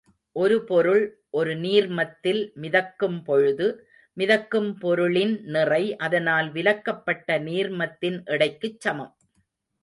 ஒரு பொருள் ஒரு நீர்மத்தில் மிதக்கும் பொழுது, மிதக்கும் பொருளின் நிறை, அதனால் விலக்கப்பட்ட நீர்மத்தின் எடைக்குச் சமம்.